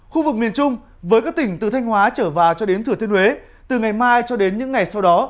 khu vực miền trung với các tỉnh từ thanh hóa trở vào cho đến thừa thiên huế từ ngày mai cho đến những ngày sau đó